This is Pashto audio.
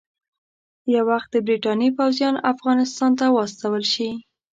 یو وخت د برټانیې پوځیان افغانستان ته واستول شي.